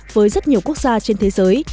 với rất nhiều quốc gia trên thế giới